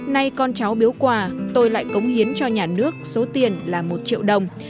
nay con cháu biếu quà tôi lại cống hiến cho nhà nước số tiền là một triệu đồng